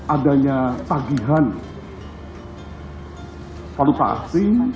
adanya tagihan valuta asing